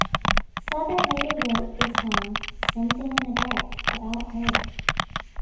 Souther later wrote the song "Something in the Dark" about her.